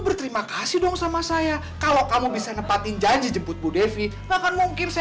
berterima kasih dong sama saya kalau kamu bisa nepatin janji jemput bu devi bahkan mungkin saya